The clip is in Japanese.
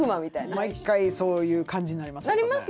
毎回そういう感じになります。